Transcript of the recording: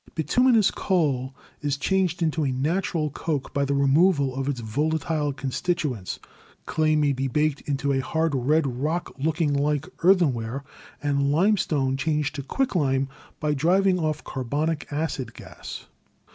Bituminous coal is changed into a natural coke by the removal of its vola tile constituents; clay may be baked into a hard red rock looking like earthenware, and limestone changed to quicklime by driving off carbonic acid gas.